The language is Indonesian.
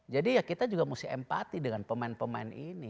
jadi ya kita juga mesti empati dengan pemain pemain ini